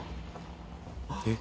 えっ。